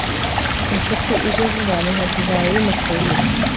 incuti ije vuba ni nka divayi y'umushyuhira